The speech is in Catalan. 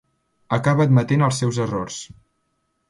Acaba admetent els seus errors.